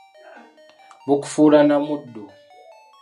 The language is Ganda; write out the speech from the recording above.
Bukufuula na muddu.